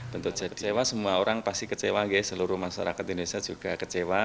bentuk kecewa semua orang pasti kecewa ya seluruh masyarakat indonesia juga kecewa